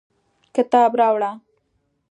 کتاب راوړه